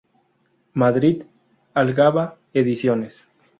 Madrid: Algaba Ediciones.